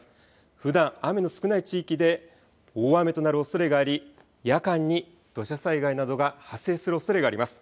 ふだん雨の少ない地域で大雨となるおそれがあり夜間に土砂災害などが発生するおそれがあります。